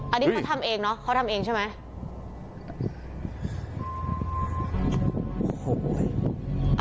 อันนี้เขาทำเองเนอะเขาทำเองใช่ไหม